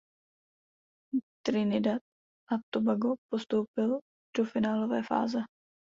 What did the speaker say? Trinidad a Tobago postoupil do finálové fáze.